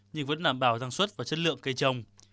nhưng vẫn nảm bảo sản xuất và chất lượng cây trồng